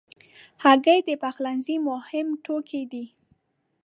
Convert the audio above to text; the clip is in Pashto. هګۍ د پخلنځي مهم توکي دي.